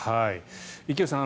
池内さん